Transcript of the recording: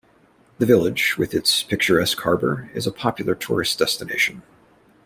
The village, with its picturesque harbour, is a popular tourist destination.